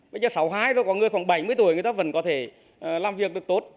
bây giờ sáu mươi hai rồi có người khoảng bảy mươi tuổi người ta vẫn có thể làm việc được tốt